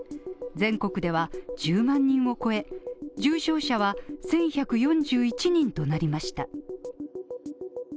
全国では１０万人を超え、重症者は１１４１人となりました。